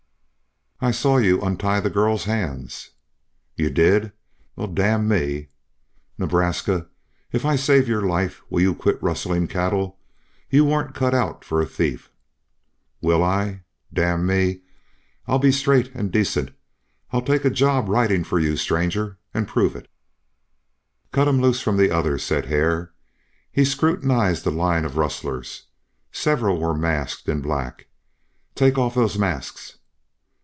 "I saw you untie the girl's hands." "You did? Well, d n me!" "Nebraska, if I save your life will you quit rustling cattle? You weren't cut out for a thief." "Will I? D n me! I'll be straight an' decent. I'll take a job ridin' for you, stranger, an' prove it." "Cut him loose from the others," said Hare. He scrutinized the line of rustlers. Several were masked in black. "Take off those masks!"